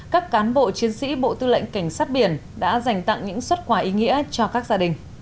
các cán bộ chiến sĩ bộ tư lệnh cảnh sát biển đã dành tặng những xuất quà ý nghĩa cho các gia đình